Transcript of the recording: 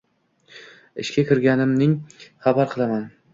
Ishga kirganingni xabar qilaman